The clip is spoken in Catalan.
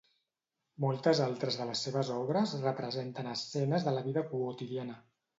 Moltes altres de les seves obres representen escenes de la vida quotidiana.